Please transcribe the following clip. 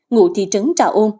ngụ thị trấn trà ôn